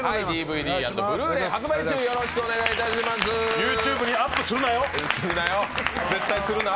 ＹｏｕＴｕｂｅにアップするなよ。